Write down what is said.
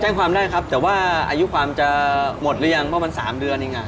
แจ้งความได้ครับแต่ว่าอายุความจะหมดหรือยังเพราะมัน๓เดือนเองอ่ะ